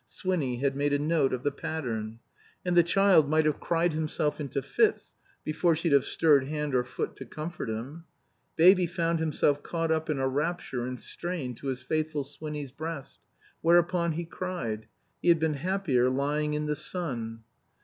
(Swinny had made a note of the pattern.) And the child might have cried himself into fits before she'd have stirred hand or foot to comfort him. Baby found himself caught up in a rapture and strained to his faithful Swinny's breast. Whereupon he cried. He had been happier lying in the sun.